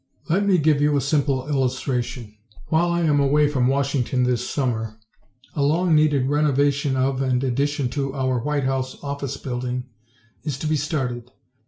Let me give you a simple illustration: While I am away from Washington this summer, a long needed renovation of and addition to our White House office building is to be started.